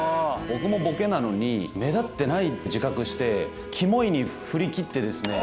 僕もボケなのに目立ってないって自覚してキモいに振り切ってですね。